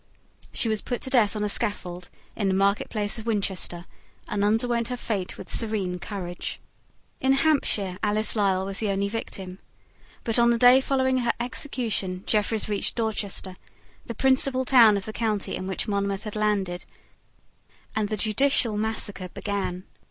She was put to death on a scaffold in the marketplace of Winchester, and underwent her fate with serene courage. In Hampshire Alice Lisle was the only victim: but, on the day following her execution, Jeffreys reached Dorchester, the principal town of the county in which Monmouth had landed; and the judicial massacre began.